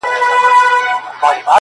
ژر مي باسه له دې ملکه له دې ځایه٫